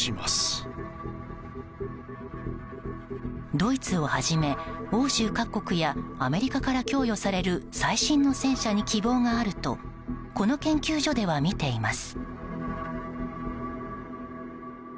ドイツをはじめ、欧州各国やアメリカから供与される最新の戦車に希望があるとこの研究所ではみています。